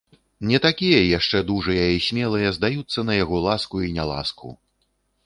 Не такія яшчэ дужыя і смелыя здаюцца на яго ласку і няласку.